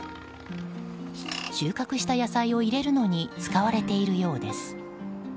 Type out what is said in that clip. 収穫した野菜を入れるのに使われているようです。